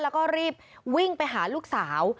แล้วก็รีบวิ่งไปหาลูกสาว